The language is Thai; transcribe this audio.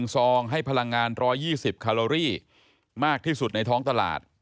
ซองให้พลังงาน๑๒๐คาโลรี่มากที่สุดในท้องตลาด